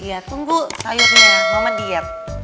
iya tunggu sayurnya momen diet